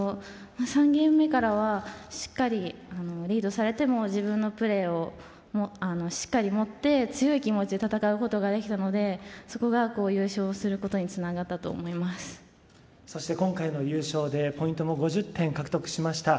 ３ゲーム目からはしっかりリードされても自分のプレーをしっかり持って強い気持ちで戦うことができたのでそこが優勝することにそして、今回の優勝でポイントも５０点獲得しました。